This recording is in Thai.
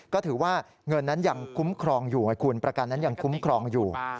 ก็ถือว่าเงินนั้นยังคุ้มครองอยู่ไงคุณประกันนั้นยังคุ้มครองอยู่